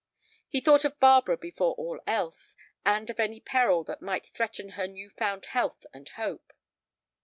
He thought of Barbara before all else, and of any peril that might threaten her new found health and hope.